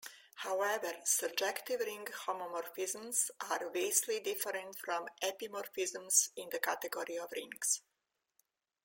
However, surjective ring homomorphisms are vastly different from epimorphisms in the category of rings.